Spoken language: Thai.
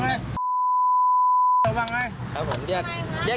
มาบ้างไง